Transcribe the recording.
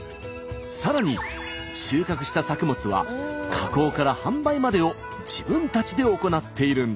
さらに収穫した作物は加工から販売までを自分たちで行っているんです。